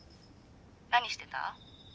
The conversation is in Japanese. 何してた？